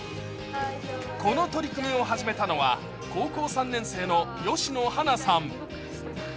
この取り組みを始めたのは高校３年生の吉野花さん。